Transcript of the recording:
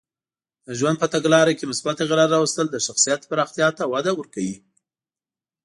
د ژوند په تګلاره کې مثبت تغییرات راوستل د شخصیت پراختیا ته وده ورکوي.